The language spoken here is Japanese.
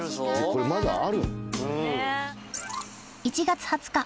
これまだあるの？